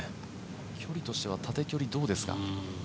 距離としては縦距離どうですか？